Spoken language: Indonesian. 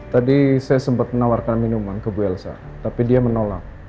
tadi saya sempat menawarkan minuman ke bu elsa tapi dia menolak